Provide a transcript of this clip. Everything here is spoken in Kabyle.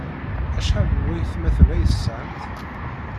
Acḥal n waytmaten ay tesɛamt?